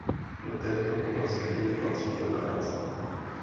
Do této oblastí nepatří jen práce.